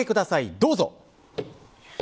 どうぞ。